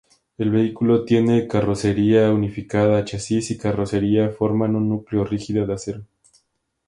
El vehículo tiene carrocería unificada; chasis y carrocería forman un núcleo rígido de acero.